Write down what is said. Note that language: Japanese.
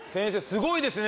すごいですね